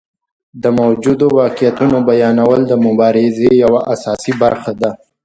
د موجودو واقعیتونو بیانول د مبارزې یوه اساسي برخه ده.